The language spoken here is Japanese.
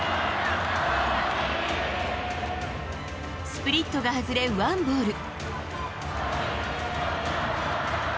スプリットが外れワンボール。